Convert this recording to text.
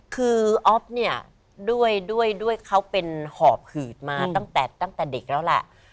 คืออ๊อฟเนี่ยด้วยเขาเป็นหอบหืดมาตั้งแต่เด็กแล้วแหละ